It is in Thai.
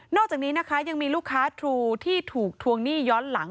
อกจากนี้นะคะยังมีลูกค้าทรูที่ถูกทวงหนี้ย้อนหลัง